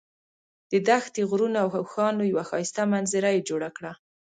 د دښتې، غرونو او اوښانو یوه ښایسته منظره یې جوړه کړه.